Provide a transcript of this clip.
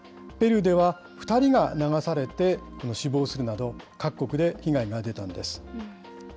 ペルーでは２人が流されて死亡するなど、各国で被害が出たんです。